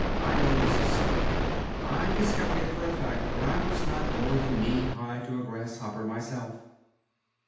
I know this is so. I discovered it for a fact when I was not more than "knee high to a grasshopper" myself.